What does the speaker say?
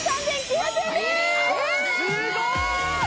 すごい！